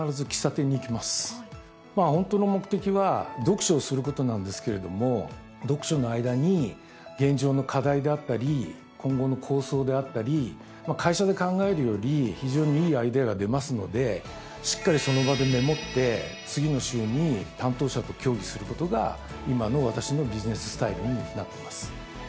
まあホントの目的は読書をすることなんですけれども読書の間に現状の課題であったり今後の構想であったり会社で考えるより非常にいいアイデアが出ますのでしっかりその場でメモって次の週に担当者と協議することが今の私のビジネススタイルになってます。